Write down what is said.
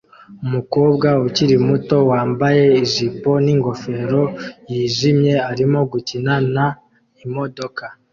Umukobwa ukiri muto wambaye ijipo n'ingofero yijimye arimo gukina na imodoka